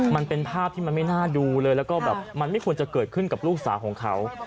มันเป็นภาพที่ไม่น่าดูเลยมันไม่ควรจะเกิดขึ้นกับลูกสาวของเขา